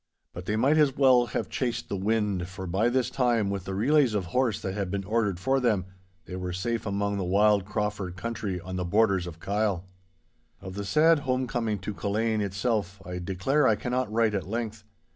But they might as well have chased the wind, for by this time, with the relays of horse that had been ordered for them, they were safe among the wild Crauford country on the borders of Kyle. Of the sad homecoming to Culzean itself I declare I cannot write at length.